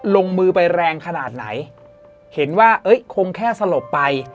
ลงมือไปแรงขนาดไหนเห็นว่าเอ้ยคงแค่สลบไป